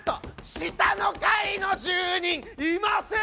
下の階の住人いません！